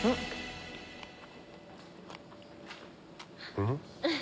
うん！